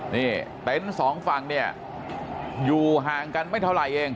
นี่แต่ทั้งทั้ง๒ฝั่งอยู่ห่างกันไม่เท่าไรเอง